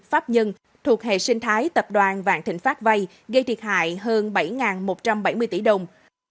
pháp nhân thuộc hệ sinh thái tập đoàn vạn thịnh pháp vay gây thiệt hại hơn bảy một trăm bảy mươi tỷ đồng